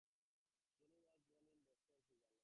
Jenny was born in Basel, Switzerland.